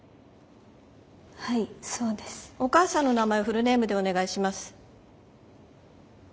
お母さんの名前をフルネームでお願いします。